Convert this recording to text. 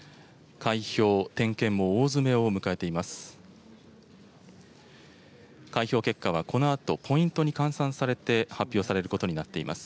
開票、点検も大詰めを迎えています。